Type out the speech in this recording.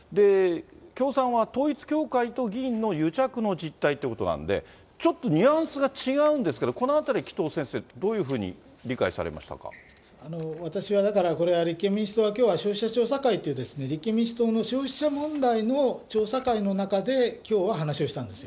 共産は統一教会と議員の癒着の実態ってことなんで、ちょっとニュアンスが違うんですけど、このあたり、紀藤先生、私はだから、これ、立憲民主党はきょうは消費者調査会という立憲民主党の消費者問題の調査会の中で、きょうは話をしたんです。